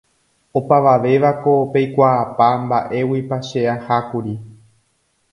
Opavavévako peikuaapa mba'éguipa che ahákuri